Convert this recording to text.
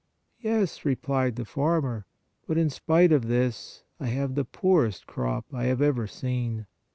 "Yes," replied the farmer, " but in spite of this, I have the poorest crop I have ever seen.